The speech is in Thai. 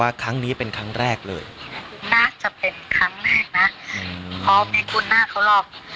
ครั้งนี้เป็นครั้งแรกเลยน่าจะเป็นครั้งแรกนะอืมพอมีคุณหน้าเข้ารอบ